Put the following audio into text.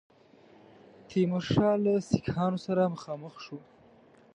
تیمورشاه له سیکهانو سره مخامخ شو.